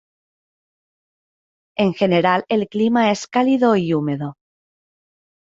En general el clima es cálido y húmedo.